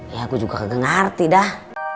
ya aku juga gak ngerti dah